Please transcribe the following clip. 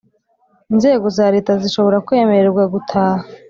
inzego za leta zishobora kwemererwa gutaha